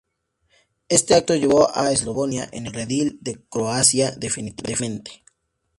Este acto llevó a Eslavonia en el redil de Croacia definitivamente.